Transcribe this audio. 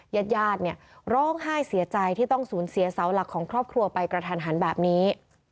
ญาติญาติเนี่ยร้องไห้เสียใจที่ต้องสูญเสียเสาหลักของครอบครัวไปกระทันหันแบบนี้